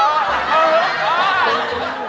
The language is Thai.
เออ